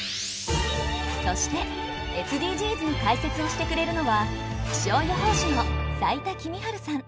そしてＳＤＧｓに解説をしてくれるのは気象予報士の斉田季実治さん。